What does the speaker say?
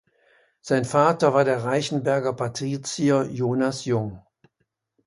Sein Vater war der Reichenberger Patrizier Jonas Jung.